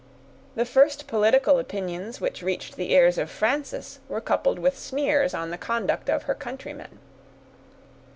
The first political opinions which reached the ears of Frances were coupled with sneers on the conduct of her countrymen.